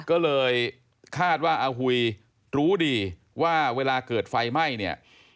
ก็เลยคาดว่าอาหุยรู้ดีว่าเวลาเกิดไฟไหม้เนี่ย